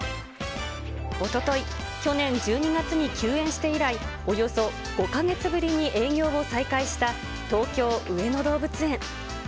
おととい、去年１２月に休園して以来、およそ５か月ぶりに営業を再開した東京・上野動物園。